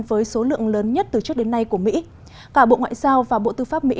với số lượng lớn nhất từ trước đến nay của mỹ cả bộ ngoại giao và bộ tư pháp mỹ